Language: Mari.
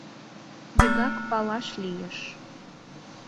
Вигак палаш лиеш.